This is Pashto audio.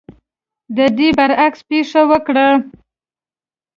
د دې برعکس پېښه وکړه.